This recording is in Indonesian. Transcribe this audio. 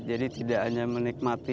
jadi tidak hanya menikmati